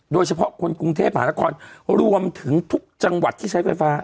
โดยเฉพาะคนกรุงเทพหานครรวมถึงทุกจังหวัดที่ใช้ไฟฟ้า